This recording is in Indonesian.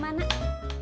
masih di masjid